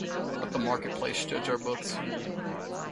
Let the marketplace judge our books.